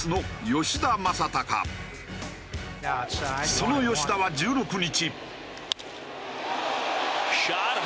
その吉田は１６日。